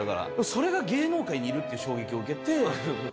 それが芸能界にいるっていう衝撃を受けて。